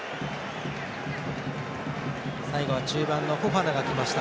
最後は中盤、フォファナがきました。